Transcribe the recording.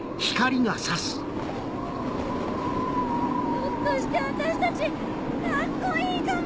ひょっとして私たちカッコいいかも！